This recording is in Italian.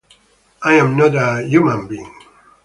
I Am Not a Human Being